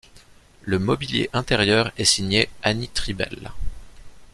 Le mobilier intérieur est signé Annie Tribel.